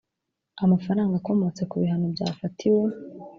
Amafaranga akomotse ku bihano byafatiwe